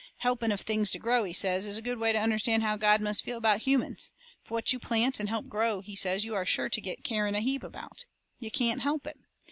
Helping of things to grow, he says, is a good way to understand how God must feel about humans. For what you plant and help to grow, he says, you are sure to get to caring a heap about. You can't help it.